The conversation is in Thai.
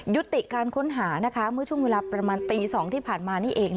ยุติการค้นหาเมื่อช่วงเวลาประมาณตี๒ที่ผ่านมานี่เอง